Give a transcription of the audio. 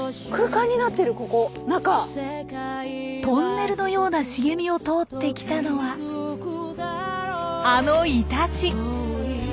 トンネルのような茂みを通ってきたのはあのイタチ！